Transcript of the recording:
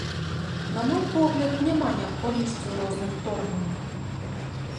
На мой погляд, няма неабходнасці ў розных торганнях.